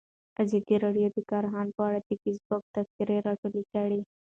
ازادي راډیو د کرهنه په اړه د فیسبوک تبصرې راټولې کړي.